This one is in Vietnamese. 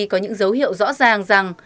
có những dấu hiệu rõ ràng rằng